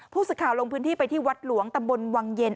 สึกข่าวลงพื้นที่ไปที่วัดหลวงตำบลวังเย็น